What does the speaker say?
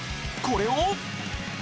これを。